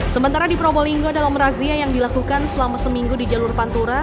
sementara di probolinggo dalam razia yang dilakukan selama seminggu di jalur pantura